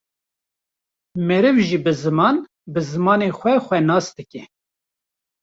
Meriv jî bi ziman, bi zimanê xwe xwe nas dike